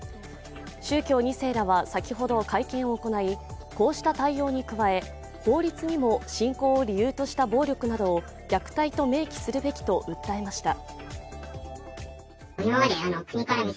宗教２世らは先ほど会見を行いこうした対応に加え法律にも信仰を理由とした暴力などを虐待と明記するべきと訴えました。